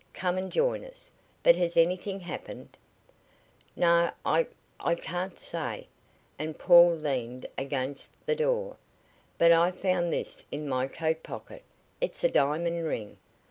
Come and join us. But has anything happened?" "No; I I can't stay," and Paul leaned against the doorway. "But I found this in my coat pocket it's a diamond ring.